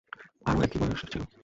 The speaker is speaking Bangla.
ওরও একই বয়স ছিল।